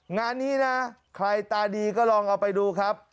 งานนี้นะใครตาดีก็ลองเอาไปดูครับ